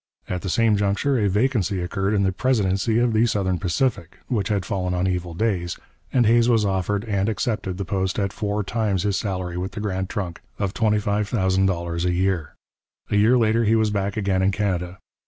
At the same juncture a vacancy occurred in the presidency of the Southern Pacific, which had fallen on evil days, and Hays was offered and accepted the post at four times his salary with the Grand Trunk of $25,000 a year. A year later he was back again in Canada.